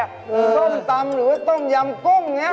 ส้มตำหรือว่าต้มยำกุ้งอย่างนี้